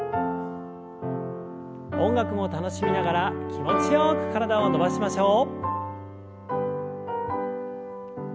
音楽も楽しみながら気持ちよく体を伸ばしましょう。